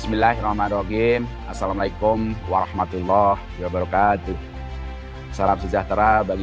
bismillahirrohmanirrohim assalamualaikum warahmatullah wabarakatuh salam sejahtera bagi